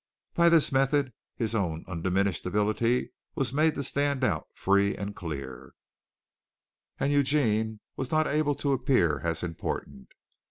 By this method, his own undiminished ability was made to stand out free and clear, and Eugene was not able to appear as important.